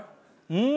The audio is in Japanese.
うん！